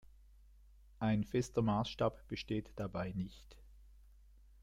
Ein fester Maßstab besteht dabei nicht.